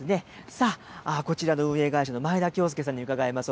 さあ、こちらの運営会社の前田きょうすけさんに伺います。